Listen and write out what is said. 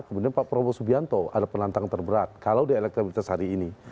kemudian pak prabowo subianto ada penantang terberat kalau di elektabilitas hari ini